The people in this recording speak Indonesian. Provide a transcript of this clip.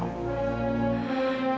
tidak ada apa apa